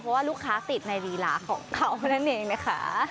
เพราะว่าลูกค้าติดในลีลาของเขานั่นเองนะคะ